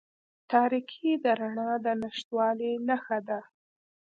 تاریکې د رڼا د نشتوالي نښه ده.